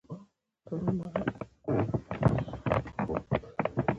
نو ميا پټي او شورګلې غېږې ورکړي دي